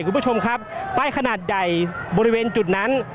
คุณผู้ชมครับป้ายขนาดใหญ่บริเวณจุดนั้น